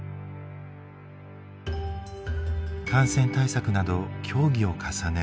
感染対策など協議を重ね